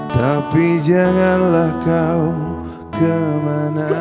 tapi janganlah kau kemana